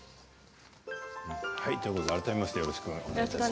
改めましてよろしくお願いします。